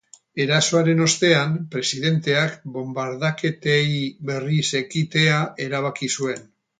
Erasoaren ostean, presidenteak bonbardaketei berriz ekitea erabaki zuen.